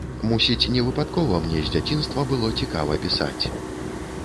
Мусіць, невыпадкова мне з дзяцінства было цікава пісаць.